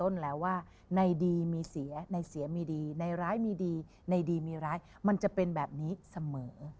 ในดีมีร้ายมันจะเป็นแบบนี้เสมอ